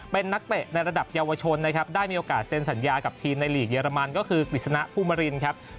เป็นนักเตะในระดับเยาวชนนะครับได้มีโอกาสเซ็นสัญญากับทีมในหลีกเรมันก็คือกฤษณะภูมิรินครับ